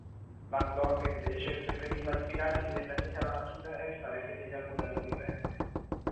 Van Gogh, invece, preferiva ispirarsi direttamente alla natura e restare fedele al modello vivente.